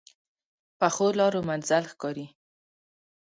پخو لارو منزل ښکاري